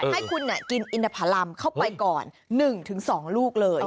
ให้คุณกินอินทภารำเข้าไปก่อน๑๒ลูกเลย